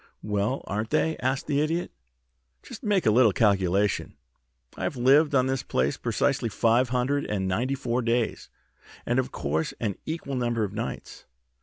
"Well, aren't they?" asked the Idiot. "Just make a little calculation. I've lived on this place precisely five hundred and ninety four days, and, of course, an equal number of nights.